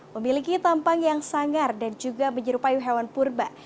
memiliki tampang yang sangar dan juga menyerupai hewan purba